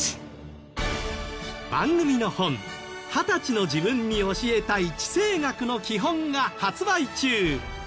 番組の本『２０歳の自分に教えたい地政学のきほん』が発売中。